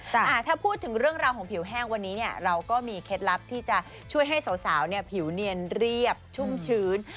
ถ้าพูดถึงเรื่องราวของผิวแห้งวันนี้เนี่ยเราก็มีเคล็ดลับที่จะช่วยให้สาวเนี่ยผิวเนียนเรียบชุ่มชื้น